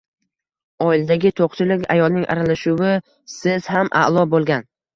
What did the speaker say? Oiladagi to‘qchilik “ayolning aralashuvi”siz ham a’lo bo‘lgan